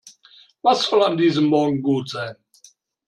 Was soll an diesem Morgen gut sein?